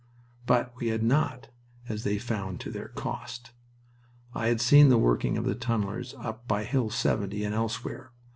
But we did not, as they found to their cost. I had seen the working of the tunnelers up by Hill 70 and elsewhere.